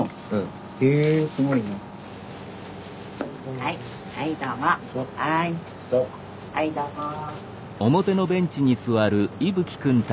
はいどうも。